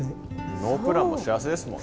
ノープランも幸せですもんね。